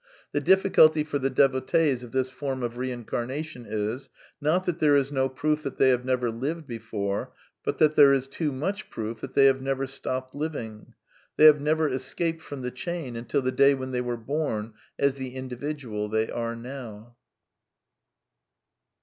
The difficulty for the devotees of this form of reincarna tion is, not that there is no proof that they have never lived before, but that there is too much proof that they have never stopped living. They have never escaped from the chain until the day when they were bom as the individual they are now.